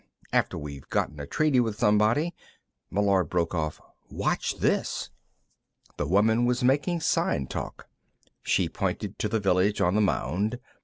After we've gotten a treaty with somebody." Meillard broke off. "Watch this!" The woman was making sign talk. She pointed to the village on the mound.